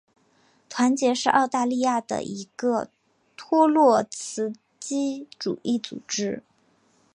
团结是澳大利亚的一个托洛茨基主义组织。